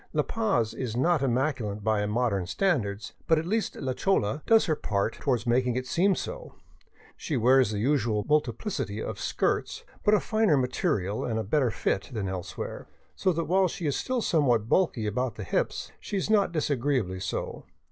La Paz is not im maculate by modern standards, but at least la chola does her share toward making it seem so. She wears the usual multiplicity of skirts, but of a finer material and better fit than elsewhere, so that while she is still somewhat bulky about the hips, she is not disagreeably so.